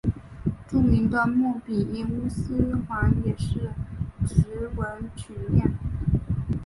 著名的莫比乌斯环也是直纹曲面。